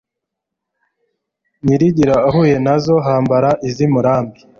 Nyirigira ahuye na zo Hambara iz' i Murambi